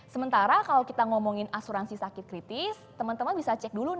sementara kalau kita ngomongin asuransi sakit kritis temen temen bisa cek dulu nih